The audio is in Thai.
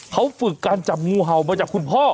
เขาฝึกการจับงูเห่ามาจากคุณพ่อ